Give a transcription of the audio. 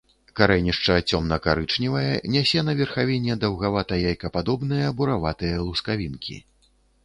Карэнішча цёмна-карычневае, нясе на верхавіне даўгавата-яйкападобныя, бураватыя лускавінкі.